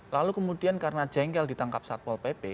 lalu kemudian karena jengkel ditangkap saat pol pp